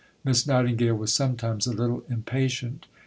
Miss Nightingale was sometimes a little impatient.